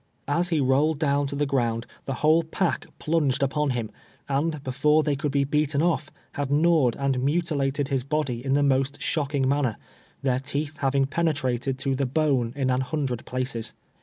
As he rolled down to the ground the whole ])ack plunged uj)on him, and before tliey could he beaten oil', had gnawed and mutilated his body in the most shocking manner, their teeth having penetrated to tlie bone in an hundred places.